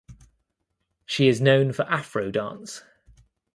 She is known for Afro dance.